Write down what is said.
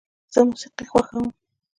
زه موسیقي خوښوم.